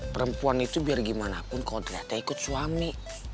perempuan itu biar gimana pun kalau ternyata ikut suami